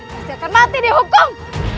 pasti akan mati di hukum